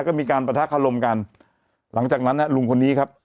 ก็มีการประทะคารมกันหลังจากนั้นลุงคนนี้ครับ